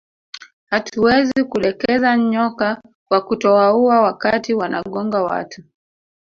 Hatuwezi kudekeza nyoka kwa kutowaua wakati wanagonga watu